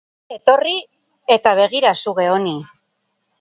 Etorri eta begira suge honi.